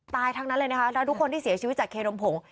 ทั้งนั้นเลยนะคะแล้วทุกคนที่เสียชีวิตจากเคนมผง